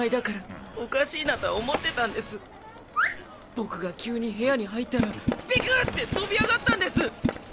ボクが急に部屋に入ったらビクッて飛び上がったんです。